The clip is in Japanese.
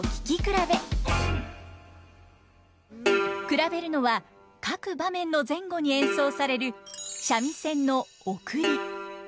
比べるのは各場面の前後に演奏される三味線のヲクリ。